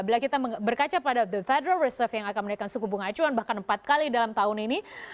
bila kita berkaca pada the federal reserve yang akan menaikkan suku bunga acuan bahkan empat kali dalam tahun ini